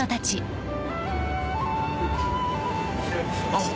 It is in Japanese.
あっ！